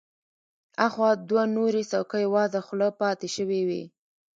اخوا دوه نورې څوکۍ وازه خوله پاتې شوې وې.